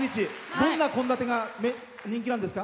どんな献立が人気なんですか？